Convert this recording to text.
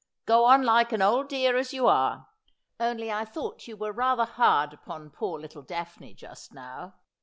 Go on like an old dear as you are. Only I thought you were rather hard upon poor little Daphne just now.'